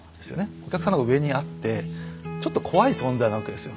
お客さんの方が上にあってちょっと怖い存在なわけですよ